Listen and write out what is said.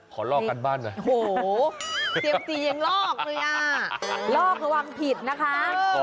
ขอลอกกันบ้านก่อนโอ้โฮเดี๋ยวตียังลอกเลยอ่ะลอกระวังผิดนะคะ